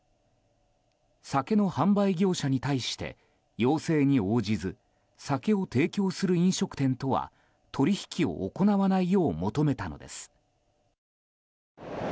酒の販売業者に対して要請に応じず酒を提供する飲食店とは取引を行わないよう求めたのです。